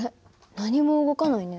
何も動かないね。